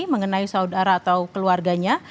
mengenai saudara atau keluarganya